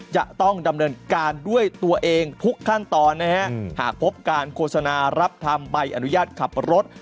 จะต้องดำเนินการด้วยตัวเองทุกขั้นตอนนะฮะหากพบการโฆษณารับทำใบอนุญาตขับรถ